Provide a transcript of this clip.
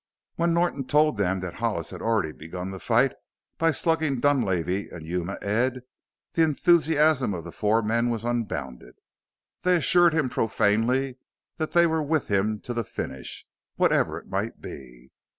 When Norton told them that Hollis had already begun the fight by slugging Dunlavey and Yuma Ed, the enthusiasm of the four men was unbounded. They assured him profanely that they were with him to the "finish" whatever it might be.